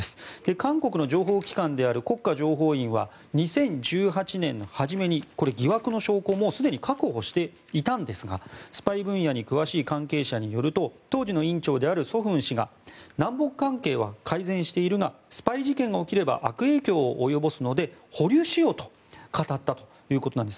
韓国の情報機関である国家情報院は２０１８年の初めにこれは疑惑の証拠、もうすでに確保していたんですがスパイ分野に詳しい関係者によると当時の院長であるソ・フン氏が南北関係は改善しているがスパイ事件が起きれば悪影響を及ぼすので保留しようと語ったということなんです。